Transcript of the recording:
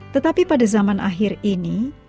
tetapi pada zaman akhir ini